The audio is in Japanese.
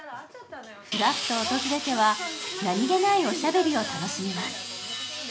ふらっと訪れては、何気ないおしゃべりを楽しみます。